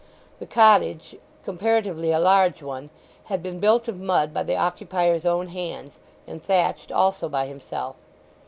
The cottage, comparatively a large one, had been built of mud by the occupier's own hands, and thatched also by himself.